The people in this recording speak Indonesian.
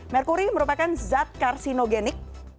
merkuri merupakan zat karsinogenik